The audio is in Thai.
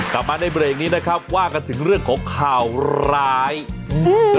กลับมาในเบรกนี้นะครับว่ากันถึงเรื่องของข่าวร้ายอืม